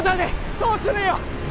そうするよ